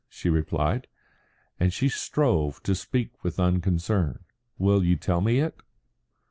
she replied, and she strove to speak with unconcern. "Will you tell me it?"